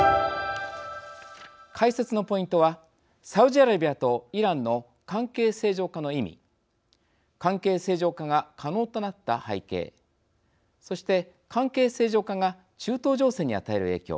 解説のポイントはサウジアラビアとイランの関係正常化の意味関係正常化が可能となった背景そして関係正常化が中東情勢に与える影響。